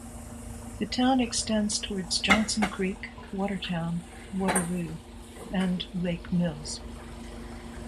The town extends towards Johnson Creek, Watertown, Waterloo, and Lake Mills.